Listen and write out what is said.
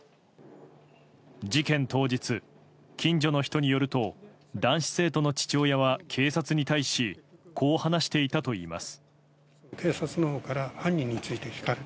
事件当日、近所の人によると男子生徒の父親は警察に対しこう話していたといいます。